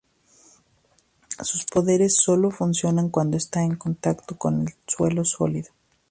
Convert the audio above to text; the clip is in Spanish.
Sus poderes sólo funcionan cuando está en contacto con suelo sólido.